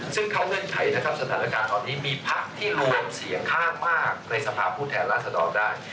ซึ่งเข้าเงื่อนไขนะครับสถานการณ์ตอนนี้มีพักที่รวมเสียงข้างมากในสภาพผู้แทนราษฎรได้